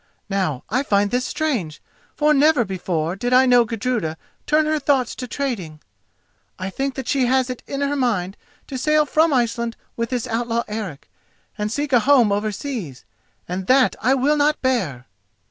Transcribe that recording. Now I find this strange, for never before did I know Gudruda turn her thoughts to trading. I think that she has it in her mind to sail from Iceland with this outlaw Eric, and seek a home over seas, and that I will not bear."